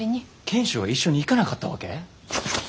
賢秀は一緒に行かなかったわけ？